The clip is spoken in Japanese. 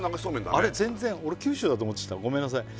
あれ全然俺九州だと思ってたごめんなさい